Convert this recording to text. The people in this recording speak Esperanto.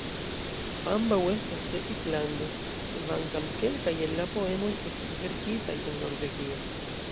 Ambaŭ estas de Islando, kvankam kelkaj el la poemoj estis verkitaj en Norvegio.